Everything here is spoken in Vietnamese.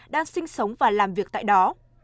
đang sinh sống và làm việc tại đó